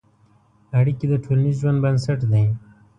اړیکې د ټولنیز ژوند بنسټ دي.